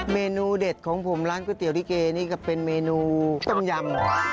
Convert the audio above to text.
เมนูเด็ดของผมร้านก๋วยเตี๋ลิเกนี่ก็เป็นเมนูต้มยำ